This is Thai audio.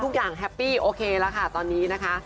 ทุกอย่างแฮปปี้โอเคแล้วค่ะตอนนี้นะคะ